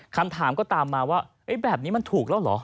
คำถามก็ตามมาว่าแบบนี้มันถูกแล้วเหรอ